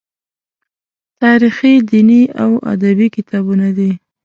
تاریخي، دیني او ادبي کتابونه دي.